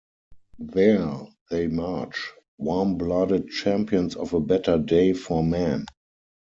There they march, warm-blooded champions of a better day for man.